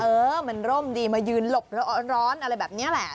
เออมันร่มดีมายืนหลบร้อนอะไรแบบนี้แหละ